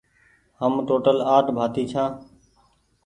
هم ٽوٽل آٺ ڀآتي ڇآن